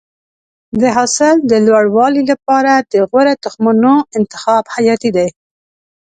د حاصل د لوړوالي لپاره د غوره تخمونو انتخاب حیاتي دی.